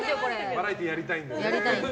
バラエティーやりたいんだね。